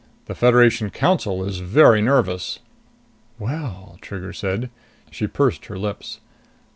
The Federation Council is very nervous!" "Well...." Trigger said. She pursed her lips.